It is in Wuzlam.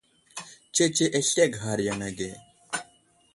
Tsetse aslege a ghar yaŋ age.